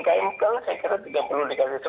dan umkm sekarang saya kira tiga puluh ribu di jakarta